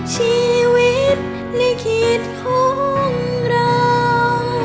ชีวิตในคิดของเรา